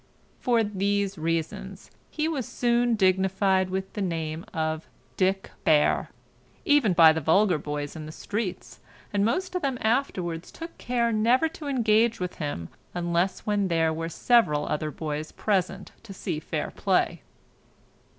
For these reasons he was soon dignified with the nick name of Dick Bear, even by the vulgar boys in the streets; and most of them afterwards took care never to engage with him unless when there were several other boys present to see fair play.